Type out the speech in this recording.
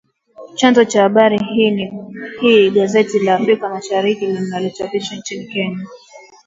Chanzo cha habari hii ni gazeti la Africa la Mashariki linalochapishwa nchini Kenya